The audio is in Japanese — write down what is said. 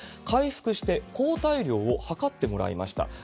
回復して抗体量を測ってもらいました。